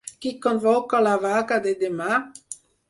Qui convoca la vaga de demà?